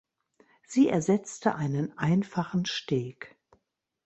Sie ersetzte einen einfachen Steg.